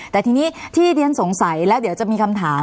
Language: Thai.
แต่ทีนี้ที่เรียนสงสัยแล้วเดี๋ยวจะมีคำถาม